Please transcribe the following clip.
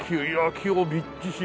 木がびっちし。